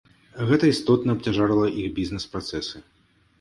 Гэта істотна абцяжарыла іх бізнэс-працэсы.